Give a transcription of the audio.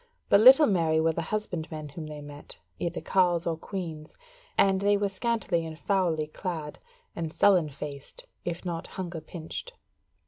But little merry were the husbandmen whom they met, either carles or queans, and they were scantily and foully clad, and sullen faced, if not hunger pinched.